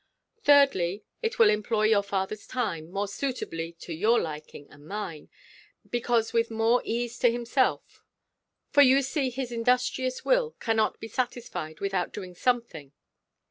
Thirdly, it will employ your father's time, more suitably to your liking and mine, because with more ease to himself; for you see his industrious will cannot be satisfied without doing something.